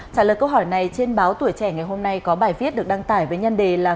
trả lời câu hỏi này trên báo tuổi trẻ ngày hôm nay có bài viết được đăng tải với nhân đề là